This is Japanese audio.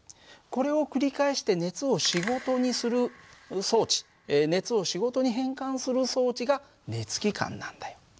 これを繰り返して熱を仕事にする装置熱を仕事に変換する装置が熱機関なんだよ。